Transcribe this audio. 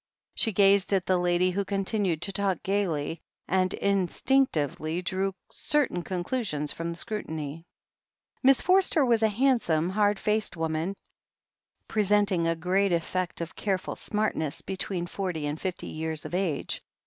She gazed at the lady, who continued to talk gaily, and instinctively drew certain conclusions from the scrutiny. Miss Forster was a handsome, hard faced woman, presenting a great effect of careful smartness, between forty and fifty years of age.